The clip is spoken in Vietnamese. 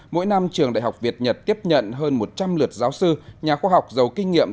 mỗi năm trường đại học việt nhật tiếp nhận hơn một trăm linh lượt giáo sư nhà khoa học giàu kinh nghiệm